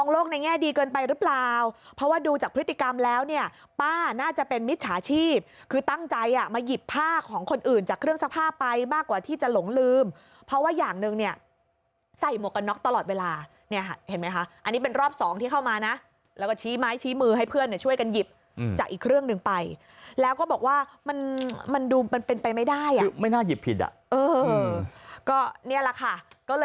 โรคในแง่ดีเกินไปรึเปล่าเพราะว่าดูจากพฤติกรรมแล้วเนี่ยป้าน่าจะเป็นมิตรฉาชีพคือตั้งใจมาหยิบผ้าของคนอื่นจากเครื่องสภาพไปมากกว่าที่จะหลงลืมเพราะว่าอย่างนึงเนี่ยใส่หมวกนอกตลอดเวลาเนี่ยเห็นไหมคะอันนี้เป็นรอบสองที่เข้ามานะแล้วก็ชี้ไม้ชี้มือให้เพื่อนช่วยกันหยิบจากอีกเครื่องนึงไปแล้วก็